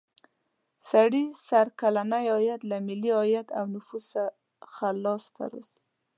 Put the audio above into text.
سړي سر کلنی عاید له ملي عاید او نفوسو څخه لاس ته راځي.